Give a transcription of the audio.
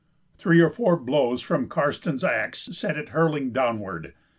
Three or four blows from Karstens's axe sent it hurling downward.